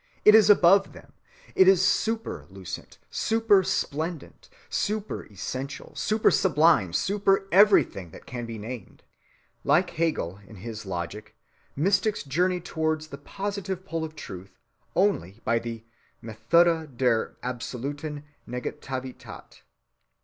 It is above them. It is _super_‐lucent, _super_‐splendent, _super_‐essential, _super_‐sublime, super everything that can be named. Like Hegel in his logic, mystics journey towards the positive pole of truth only by the "Methode der Absoluten Negativität."